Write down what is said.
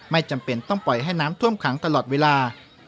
จำเป็นต้องปล่อยให้น้ำท่วมขังตลอดเวลา